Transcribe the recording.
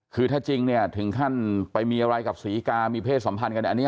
คือถ้าจริงเนี่ยถึงขั้นไปมีอะไรกับศรีกามีเพศสัมพันธ์กันอันนี้